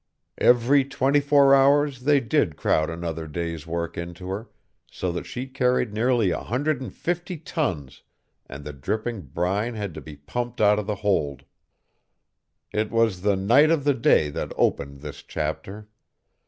Every twenty four hours they did crowd another day's work into her, so that she carried nearly a hundred and fifty tons and the dripping brine had to be pumped out of the hold. It was the night of the day that opened this chapter.